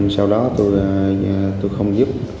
sau đó tôi không giúp